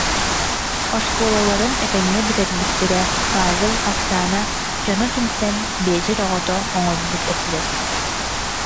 Оскуолаларын этэҥҥэ бүтэрбиттэрэ, Павел, Оксана дьоно түмсэн биэчэр оҕото оҥорбут этилэр